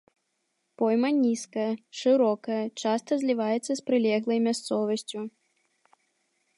Пойма нізкая, шырокая, часта зліваецца з прылеглай мясцовасцю.